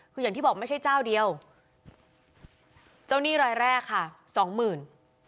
คืออย่างที่บอกไม่ใช่เจ้าเดียวเจ้าหนี้รายแรกค่ะสองหมื่น